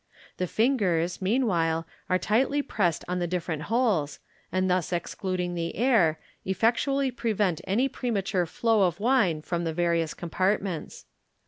The fingers, mean while, are tightly pressed on the different holes, and thus excluding the air, effectually prevent any premature flow of wine from the various compartments.